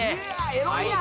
エロいな